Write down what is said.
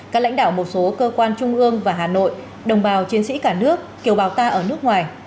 các lãnh đạo một số cơ quan trung ương và hà nội đồng bào chiến sĩ cả nước kiều bào ta ở nước ngoài